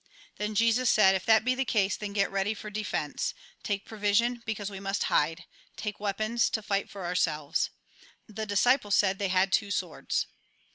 Then Jesus said :" If that be the case, then get ready for de fence ; take provision, because we must hide, take weapons, to fight for ourselves." The disciples said they had two swords.